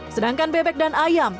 sedangkan bebek dan ayam